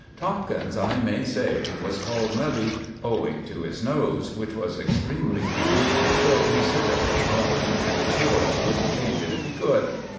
Tomkins, I may say, was called "Nubby," owing to his nose, which was extremely huge, though he said it was Roman, and swore he wouldn't change it if he could.